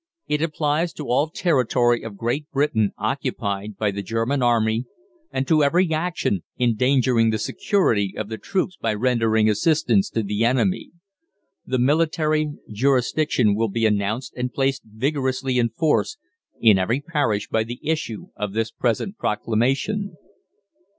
It applies to all territory of Great Britain occupied by the German Army, and to every action endangering the security of the troops by rendering assistance to the enemy. The Military Jurisdiction will be announced and placed vigorously in force in every parish by the issue of this present proclamation.